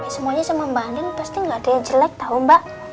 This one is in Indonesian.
semuanya sama mbak anin pasti gak ada yang jelek tau mbak